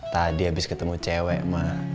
tadi abis ketemu cewek ma